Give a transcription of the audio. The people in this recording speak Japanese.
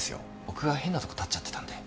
僕が変なとこ立っちゃってたんで。